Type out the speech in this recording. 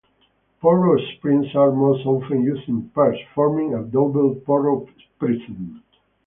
Porro prisms are most often used in pairs, forming a double Porro prism.